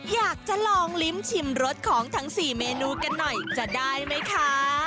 อยากจะลองลิ้มชิมรสของทั้ง๔เมนูกันหน่อยจะได้ไหมคะ